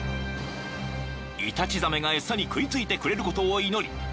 ［イタチザメが餌に食い付いてくれることを祈り